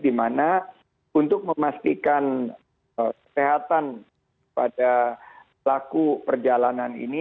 di mana untuk memastikan kesehatan pada laku perjalanan ini